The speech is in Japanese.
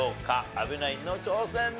阿部ナインの挑戦です。